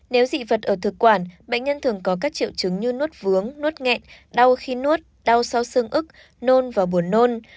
nếu dị vật ở thực quản bệnh nhân thường có các triệu chứng như nốt vướng nốt nghẹn đau khi nuốt đau sau xương ức nôn và buồn nôn